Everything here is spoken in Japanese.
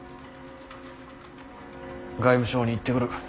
外務省に行ってくる。